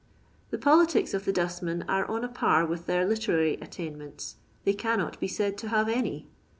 The politics of the dostmen are on a par with their literary attainments — they cannot be said to haTe any.